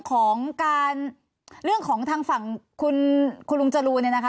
ธนาวรยุทธ์เรื่องของทางฝั่งคุณลุงจรูนะคะ